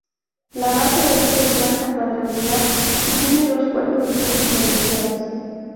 La base es de planta cuadrangular y tiene dos cuerpos bien diferenciados.